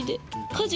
家事。